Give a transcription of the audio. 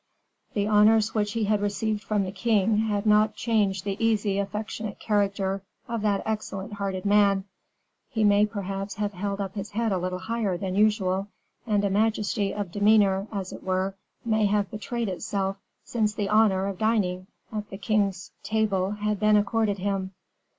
The honors which he had received from the king had not changed the easy, affectionate character of that excellent hearted man; he may, perhaps, have held up his head a little higher than usual, and a majesty of demeanor, as it were, may have betrayed itself since the honor of dining at the king's table had been accorded him.